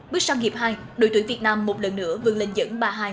bước sang hiệp hai đội tuyển việt nam một lần nữa vươn lên dẫn ba hai